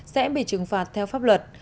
sẽ bị trừng phạt theo pháp luật